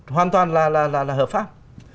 hoàn toàn là hợp pháp